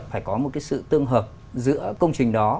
phải có một cái sự tương hợp giữa công trình đó